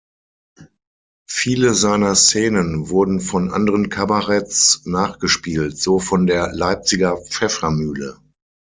Viele seiner Szenen wurden von anderen Kabaretts nachgespielt, so von der "Leipziger Pfeffermühle".